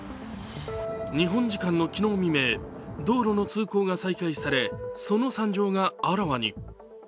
日本時間の昨日未明、道路の通行が再開され、その惨状があらわに。